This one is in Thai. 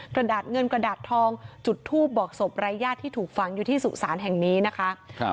กระดาษเงินกระดาษทองจุดทูปบอกศพรายญาติที่ถูกฝังอยู่ที่สุสานแห่งนี้นะคะ